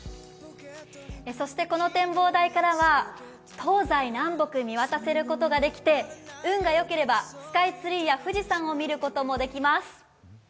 そしてこの展望台からは東西南北見渡すことができて運がよければスカイツリーや富士山を見ることもできます。